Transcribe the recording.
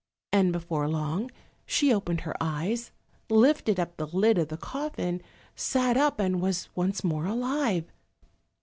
And before long she opened her eyes, lifted up the lid of the coffin, sat up, and was once more alive.